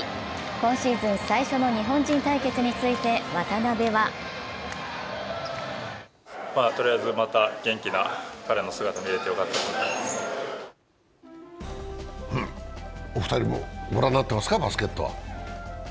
今シーズン最初の日本人対決について渡邊はお二人もご覧になってますかバスケットは？